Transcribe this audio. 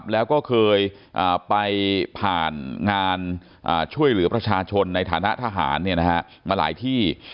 แล้วก็เคยไปผ่านงานช่วยเหลือประชาชนในฐานะทหารมาหลายที่